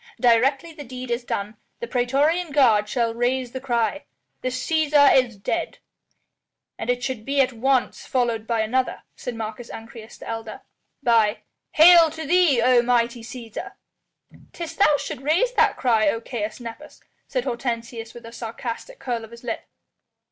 "Directly the deed is done, the praetorian guard shall raise the cry: 'The Cæsar is dead!'" "And it should at once be followed by another," said Marcus Ancyrus, the elder, "by 'Hail to thee, O mighty Cæsar!'" "'Tis thou shouldst raise that cry, O Caius Nepos," said Hortensius with a sarcastic curl of his lip.